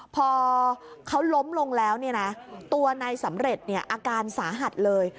พอเขาล้มลงแล้วตัวนายสำเร็จอาการสาหัสเลย